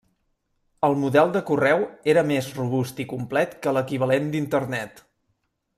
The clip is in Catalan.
El model de correu era més robust i complet que l'equivalent d'Internet.